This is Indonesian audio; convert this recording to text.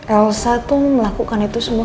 elsa tuh melakukan itu semua